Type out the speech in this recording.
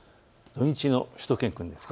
土日のしゅと犬くんです。